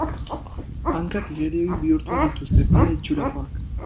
Hankak igeri-oin bihurtuak dituzte, pala itxurakoak.